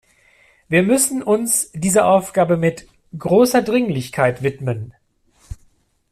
Wir müssen uns dieser Aufgabe mit großer Dringlichkeit widmen.